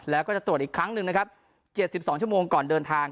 แล้วก็จะตรวจอีกครั้งหนึ่งนะครับ๗๒ชั่วโมงก่อนเดินทาง